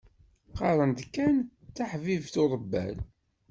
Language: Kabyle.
Qqaren-d kan d taḥbibt uḍebbal.